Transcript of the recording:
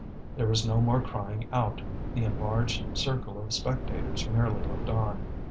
There was no more crying out; the enlarged circle of spectators merely looked on.